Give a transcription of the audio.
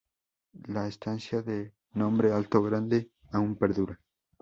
La estancia de nombre Alto Grande aún perdura.